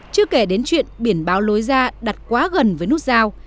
chưa kể đến chuyện biển báo lối ra đặt quá gần với nút giao